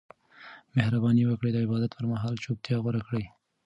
مهرباني وکړئ د عبادت پر مهال چوپتیا غوره کړئ.